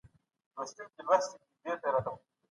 ځيني فاميلونه داسي دي، چي ولورونه پر باندي وي